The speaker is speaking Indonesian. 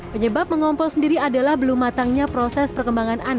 penyebab mengompol sendiri adalah belum matangnya proses perkembangan anak